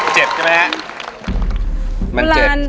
มันเจ็บใช่ไหมครับ